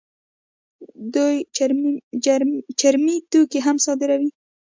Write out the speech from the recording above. دوی چرمي توکي هم صادروي.